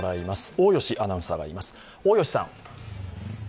大吉アナウンサーがいます。